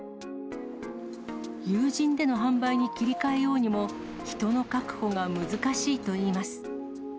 有人での販売に切り替えようにも、人の確保が難しいといいます。